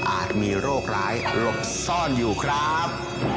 มีโรคร้ายหลบซ่อนอยู่ครับ